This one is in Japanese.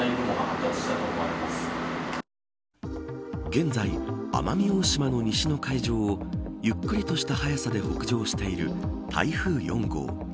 現在、奄美大島の西の海上をゆっくりとした速さで北上している台風４号。